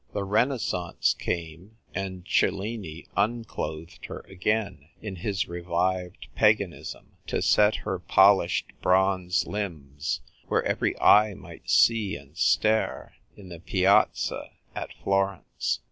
The Renaissance came, and Cellini unclothed her again, in his revived paganism, to set her polished bronze limbs, where every eye might see and stare, in the Piazza at Florence.